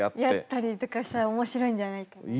やったりとかしたら面白いんじゃないかな。